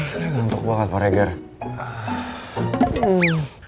saya ngantuk banget pak regan